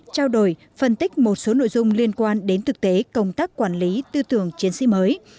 trao đổi phân tích một số nội dung liên quan đến thực tế công tác quản lý tư tưởng chiến sĩ mới